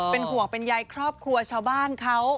เป็นห่วงเป็นใยครอบครัวชาวบ้านเขา